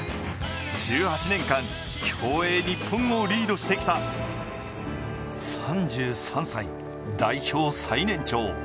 １８年間、競泳日本をリードしてきた３３歳、代表最年長。